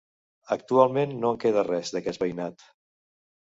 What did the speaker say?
Actualment no en queda res, d'aquest veïnat.